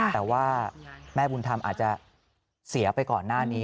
แต่ว่าแม่บุญธรรมอาจจะเสียไปก่อนหน้านี้